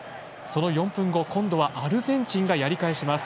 その４分後、今度はアルゼンチンがやり返します。